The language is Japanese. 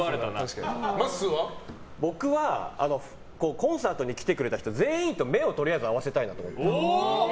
僕はコンサートに来てくれた人全員と目をとりあえず合わせたいなと思って。